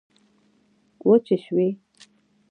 وچي شوې